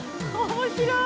面白い。